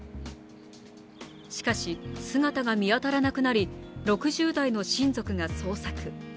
しかし、姿が見当たらなくなり、６０代の親族が捜索。